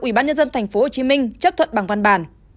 ủy ban nhân dân tp hcm chấp thuận bằng văn bản